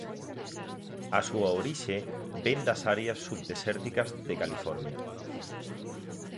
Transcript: A súa orixe vén das áreas subdesérticas de California.